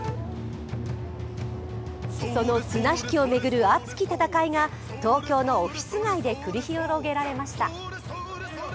その綱引きを巡る熱き戦いが東京のオフィス街で繰り広げられました。